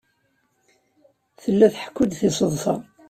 Tella tḥekku-d tiseḍsa.